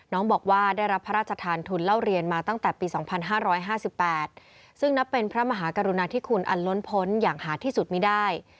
น้องบอกว่าได้รับพระราชทานทุนเล่าเรียนมาตั้งแต่ปี๒๕๕๘ซึ่งนับเป็นพระมหากรุณาธิคุณอันล้นพ้นอย่างหาที่สุดไม่ได้